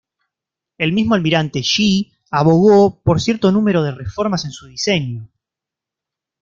El mismo almirante Yi abogó por cierto número de reformas en su diseño.